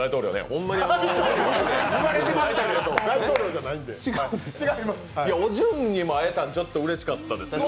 おじゅんにも会えたのはちょっとうれしかったですね。